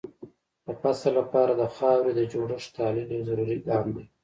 د فصل لپاره د خاورې د جوړښت تحلیل یو ضروري ګام دی.